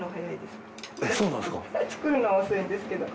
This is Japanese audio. そうなんですか？